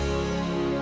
aku akan tunjukkan